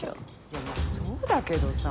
いやまあそうだけどさ。